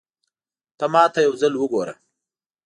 ته ماته يو ځل وګوره